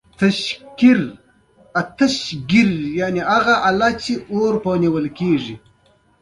قدرت هرم سر کې وي.